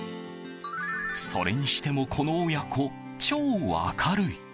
それにしても、この親子超明るい！